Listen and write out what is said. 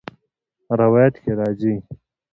روايت کي راځي :